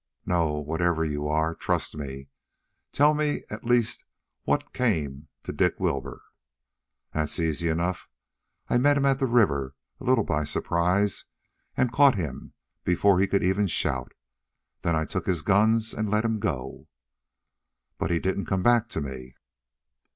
"No, whatever you are, trust me. Tell me at least what came to Dick Wilbur?" "That's easy enough. I met him at the river, a little by surprise, and caught him before he could even shout. Then I took his guns and let him go." "But he didn't come back to me?"